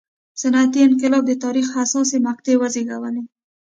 صنعتي انقلاب د تاریخ حساسې مقطعې وزېږولې.